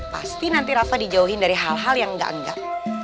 pasti nanti rafa dijauhin dari hal hal yang enggak enggak